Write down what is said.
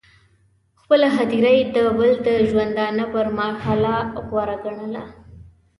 خپله هدیره یې د بل د ژوندانه پر محله غوره ګڼله.